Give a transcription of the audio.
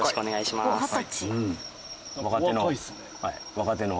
若手の。